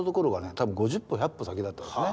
多分５０歩１００歩先だったんですね。